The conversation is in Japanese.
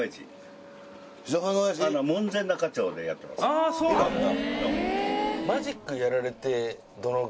あそうなんだ。